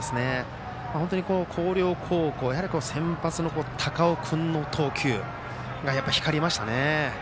本当に広陵高校は先発の高尾君の投球が光りましたね。